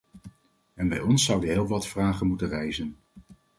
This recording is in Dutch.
En bij ons zouden heel wat vragen moeten rijzen.